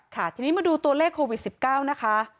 ค่ะทีนี้มาดูตัวเลขโควิด๑๙นะคะ